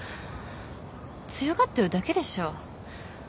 強がってるだけでしょ。